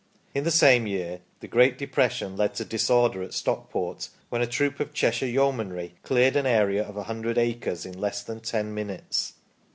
In the same year the great depression led to disorder at Stockport, when a troop of the Cheshire yeomanry " cleared an area of a hundred acres in less than ten minutes